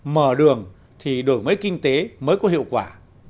mở đường thì đổi mới kinh tế mới có hiệu quả